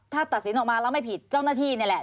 ถ้าตัดสินออกมาแล้วไม่ผิดเจ้าหน้าที่นี่แหละ